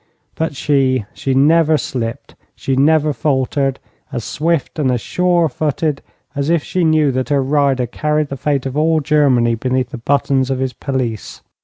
But she she never slipped, she never faltered, as swift and as surefooted as if she knew that her rider carried the fate of all Germany beneath the buttons of his pelisse.